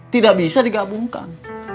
tidak bisa digabungkan